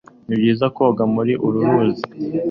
ni byiza koga muri uru ruzi